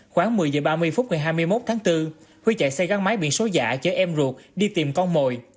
khoảng một mươi h ba mươi phút ngày hai mươi một tháng bốn huy chạy xe gắn máy biển số giả chở em ruột đi tìm con mồi